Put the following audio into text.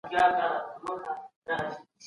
بازار ته د توکو د عرضې مخه مه نيسئ.